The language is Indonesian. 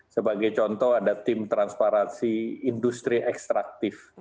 sebagai contoh ada tim transparansi industri ekstraktif